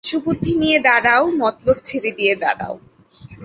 সুবুদ্ধি নিয়ে দাঁড়াও, মতলব ছেড়ে দিয়ে দাঁড়াও।